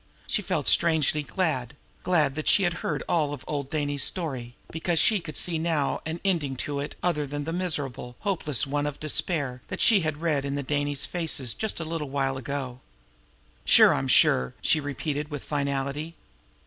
She felt strangely glad glad that she had heard all of old Dainey's story, because she could see now an ending to it other than the miserable, hopeless one of despair that she had read in the Daineys' faces just a little while ago. "Sure, I'm sure!" she repeated with finality.